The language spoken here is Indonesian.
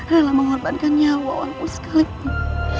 lela mengorbankan nyawa nyawa sekalipun